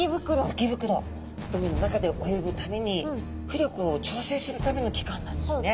海の中で泳ぐために浮力を調整するための器官なんですね。